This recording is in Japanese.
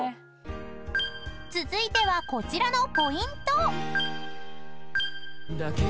［続いてはこちらのポイント］